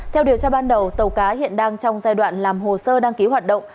theo điều tra ban đầu tàu cá hiện đang trong giai đoạn làm hồ sơ đăng ký hoạt động